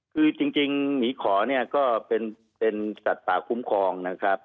คือจริงหมีขอเนี่ยก็เป็นสัตว์ป่าคุ้มครองนะครับ